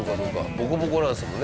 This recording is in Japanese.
ボコボコなんですもんね